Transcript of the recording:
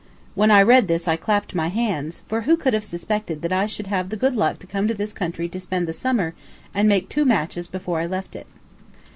When I read this I clapped my hands, for who could have suspected that I should have the good luck to come to this country to spend the summer and make two matches before I left it!